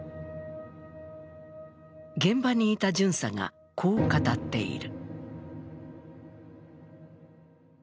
現場にいた巡査がこう語っている。